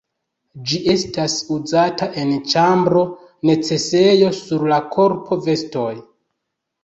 Ĝi estas uzata en ĉambro, necesejo, sur la korpo, vestoj.